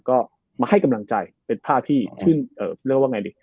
ก็มาให้กำลังใจเป็นภาพที่ชื่นเอ่อเรียกว่าไงดิ